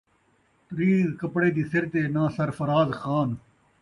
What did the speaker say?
تریز کپڑے دی سر تے ، ناں سرفراز خان